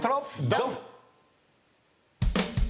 ドン！